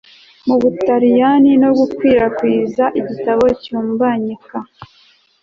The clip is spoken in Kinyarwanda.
mu butaliyani, no gukwirakwiza igitabo cyumbanyika